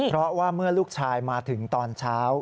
เพราะว่าเมื่อลูกชายมาถึงตอนเช้า